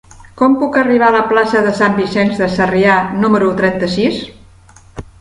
Com puc arribar a la plaça de Sant Vicenç de Sarrià número trenta-sis?